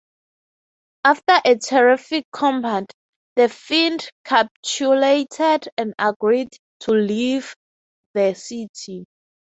After a terrific combat, the fiend capitulated and agreed to leave the city.